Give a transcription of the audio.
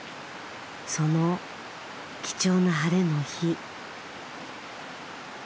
その貴重な晴れの日。